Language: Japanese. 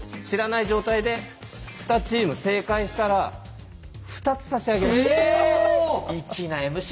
知らない状態で２チーム正解したら２つ差し上げます。